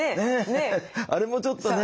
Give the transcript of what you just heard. ねえあれもちょっとね。